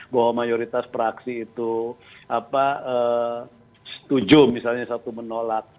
bahwa mayoritas praksi itu setuju misalnya satu menolak